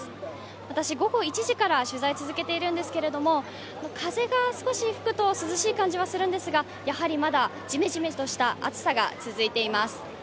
私、午後１時から取材を続けているんですけれども、風が少し吹くと涼しい感じはするんですが、やはりまだジメジメとした暑さが続いています。